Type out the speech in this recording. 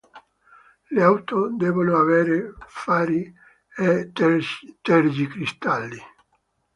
Le auto devono avere fari e tergicristalli.